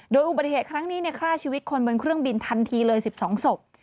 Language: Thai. โดยอุบัติเหตุครั้งนี้ฆ่าชีวิตคนบนเครื่องบินทันทีเลย๑๒ศพ